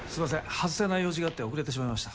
外せない用事があって遅れてしまいました。